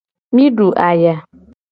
Mi du aya.